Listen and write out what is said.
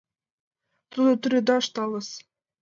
Тудо тӱредаш талыс.